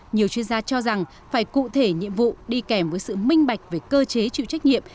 nhiều chuyên gia cho rằng phải cụ thể nhiệm vụ đi kèm với sự minh bạch về cơ chế chịu trách nhiệm